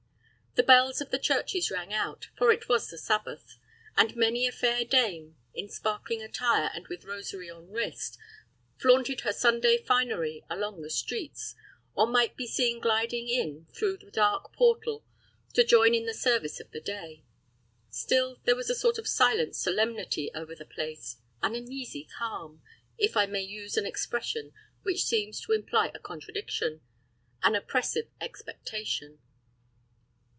The bells of the churches rang out, for it was the Sabbath; and many a fair dame, in sparkling attire and with rosary on wrist, flaunted her Sunday finery along the streets, or might be seen gliding in through the dark portal to join in the service of the day. Still, there was a sort of silent solemnity over the place, an uneasy calm, if I may use an expression which seems to imply a contradiction an oppressive expectation.